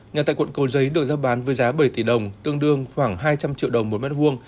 nhà tại quận cầu giấy được giao bán với giá bảy tỷ đồng tương đương khoảng hai trăm linh triệu đồng mỗi mét vuông